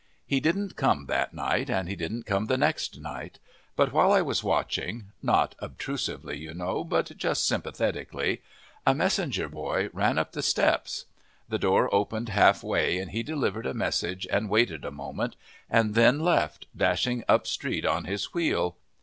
He didn't come that night, and he didn't come the next night. But while I was watching not obtrusively, you know, but just sympathetically a messenger boy ran up the steps. The door opened halfway and he delivered a message and waited a moment, and then left, dashing up street on his wheel.